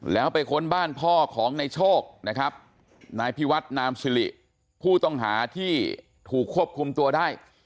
แล้วไปค้นบ้านพ่อของนายโชคนะครับนายพิวัฒนามสิริผู้ต้องหาที่ถูกควบคุมตัวได้